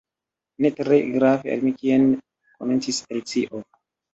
"Ne tre grave al mi kien—" komencis Alicio.